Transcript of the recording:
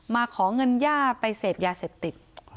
ขอเงินย่าไปเสพยาเสพติด